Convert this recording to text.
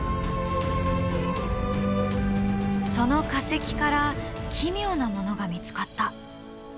その化石から奇妙なものが見つかった。